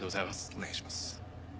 お願いします。